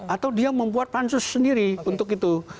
atau dia membuat pansus sendiri untuk itu